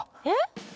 え？